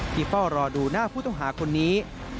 เฝ้ารอดูหน้าผู้ต้องหาคนนี้